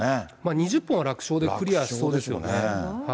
２０本は楽勝でクリアしそうですよね。